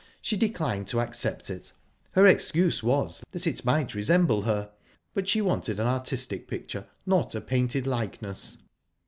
She declined to accept it. Her excuse was, that it might resemble her, but she wanted an artistic picture, not a painted likeness.